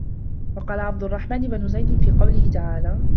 وَقَالَ عَبْدُ الرَّحْمَنِ بْنُ زَيْدٍ فِي قَوْله تَعَالَى